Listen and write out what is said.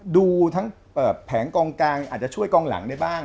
ดูทั้งแผงกองกลางอาจจะช่วยกองหลังได้บ้าง